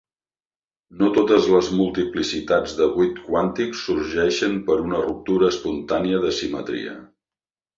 No totes les multiplicitats de buit quàntic sorgeixen per una ruptura espontània de simetria.